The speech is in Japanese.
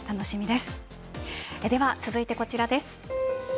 では、続いてこちらです。